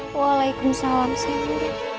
waalaikumsalam seh guru